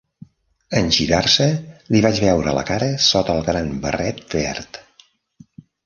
En girar-se, li vaig veure la cara sota el gran barret verd.